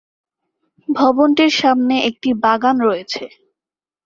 ভবনটির সামনে একটি বাগান রয়েছে।